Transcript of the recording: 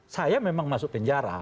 saya memang masuk penjara